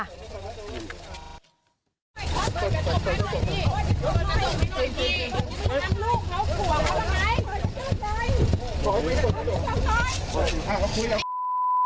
โอ้ยอ้อหาพอแค่นี้แหละเอาพอ